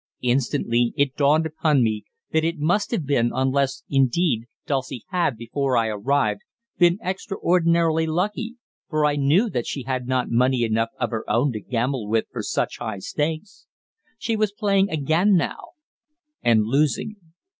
Instantly it dawned upon me that it must have been, unless, indeed, Dulcie had, before I arrived, been extraordinarily lucky, for I knew that she had not money enough of her own to gamble with for such high stakes. She was playing again now and losing.